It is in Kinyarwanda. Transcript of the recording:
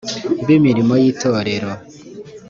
b imirimo y itorero